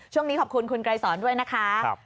ช่วงนี้ขอบคุณคุณไกรสอนด้วยนะคะ